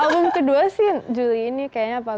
album kedua sih juli ini kayaknya apa